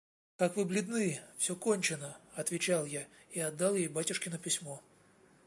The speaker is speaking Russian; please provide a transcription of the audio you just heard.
– Как вы бледны!» – «Все кончено!» – отвечал я и отдал ей батюшкино письмо.